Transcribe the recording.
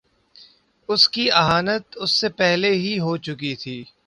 اس کی اہانت اس سے پہلے ہی ہو چکی تھی۔